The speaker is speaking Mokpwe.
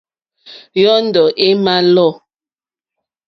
Yɔ́ndɔ̀ é mà lɔ̌.